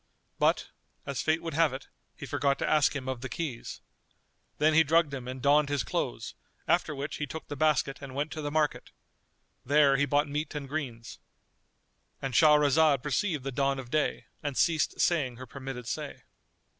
But, as fate would have it, he forgot to ask him of the keys. Then he drugged him and donned his clothes; after which he took the basket and went to the market. There he bought meat and greens.——And Shahrazad perceived the dawn of day and ceased saying her permitted say.